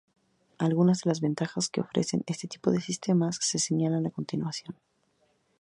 Algunas de las ventajas que ofrecen este tipo de sistemas se señalan a continuación.